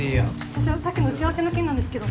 社長さっきの打ち合わせの件なんですけど。